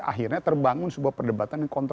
akhirnya terbangun sebuah perdebatan yang lebih mudah